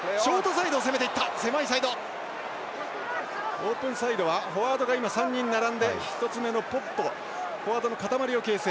オープンサイドはフォワードが３人並んでフォワードの固まりを形成。